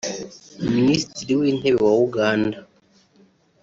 Ministiri w’intebe wa Uganda